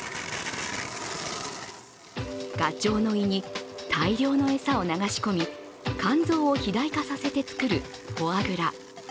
ガチョウの胃に大量に餌を流し込み、肝臓を肥大化させて作るフォアグラ。